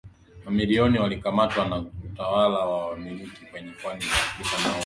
mamilioni walikamatwa na watawala wa milki kwenye pwani za Afrika au Waarabu